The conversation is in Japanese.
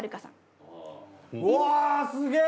うわすげえ！